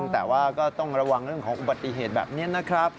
แต่ว่าก็ต้องระวังเรื่องของอุบัติเหตุแบบนี้นะครับ